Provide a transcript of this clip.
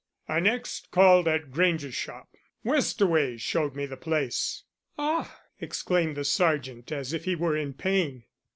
"I next called at Grange's shop. Westaway showed me the place." "Ah!" exclaimed the sergeant, as if he were in pain.